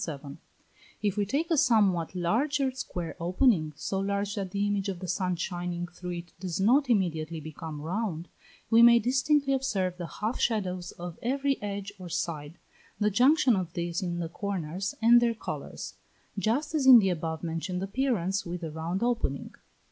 If we take a somewhat larger square opening, so large that the image of the sun shining through it does not immediately become round, we may distinctly observe the half shadows of every edge or side, the junction of these in the corners, and their colours; just as in the above mentioned appearance with the round opening.